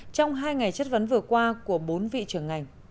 trong hai ngày chất vấn vừa qua của bốn vị trưởng ngành